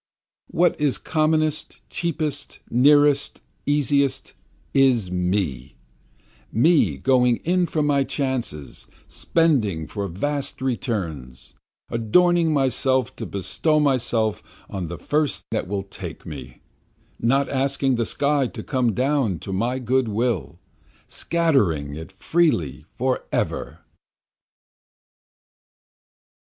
What is commonest, cheapest, nearest, easiest, is Me, Me going in for my chances, spending for vast returns, Adorning myself to bestow myself on the first that will take me, Not asking the sky to come down to my good will, Scattering it freely forever.